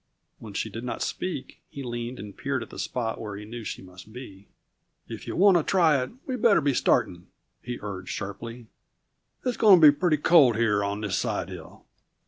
When she did not speak, he leaned and peered at the spot where he knew she must be. "If you want to try it, we'd better be starting," he urged sharply. "It's going to be pretty cold here on this side hill."